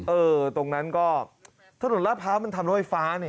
เออตรงนั้นก็ถนนลาดพร้าวมันทำรถไฟฟ้านี่